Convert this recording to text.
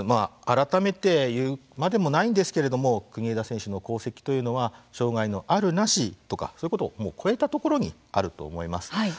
改めて言うまでもないんですけれども国枝選手の功績というのは障害のある、なしとかそういうことをもう超えたところにあると思います。